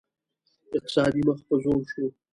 اقتصاد مخ په ځوړ شو